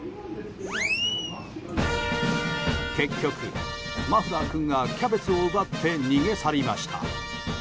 結局、マフラー君がキャベツを奪って逃げ去りました。